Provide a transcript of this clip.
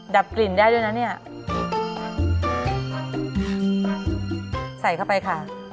ดับกลิ่นได้ด้วยนะเนี่ยใส่เข้าไปค่ะ